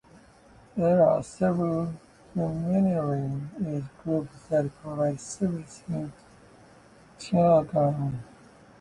There are several humanitarian aid groups that provide services in Chimaltenango.